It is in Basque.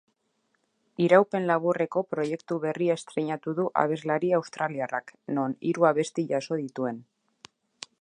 Iraupen laburreko proiektu berria estreinatu du abeslari australiarrak non hiru abesti jaso dituen.